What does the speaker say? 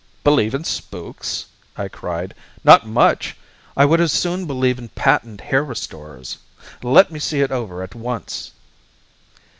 "Believe in spooks!" I cried. "Not much. I would as soon believe in patent hair restorers. Let me see over it at once."